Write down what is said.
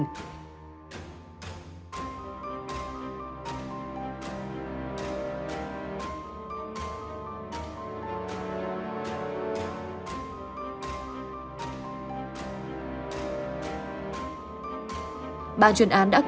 ba chuyên án đã cử tổ công tác gồm tám đồng chí phối hợp với chính quyền xã tam ít huyện tân uyên tỉnh lai châu